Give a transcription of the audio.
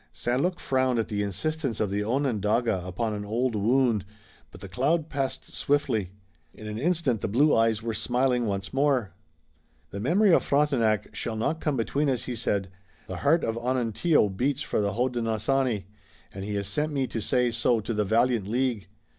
St. Luc frowned at the insistence of the Onondaga upon an old wound, but the cloud passed swiftly. In an instant the blue eyes were smiling once more. "The memory of Frontenac shall not come between us," he said. "The heart of Onontio beats for the Hodenosaunee, and he has sent me to say so to the valiant League.